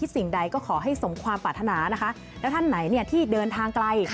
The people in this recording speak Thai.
สิ่งใดก็ขอให้สมความปรารถนานะคะแล้วท่านไหนที่เดินทางไกล